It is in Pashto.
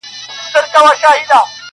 o ځی ډېوې سو دغه توري شپې رڼا کړو,